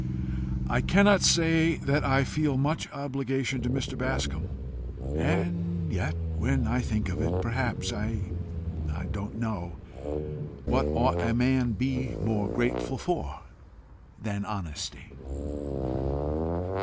"I cannot say that I feel much obligation to Mr. Bascombe. And yet when I think of it, perhaps I don't know what ought a man to be more grateful for than honesty?"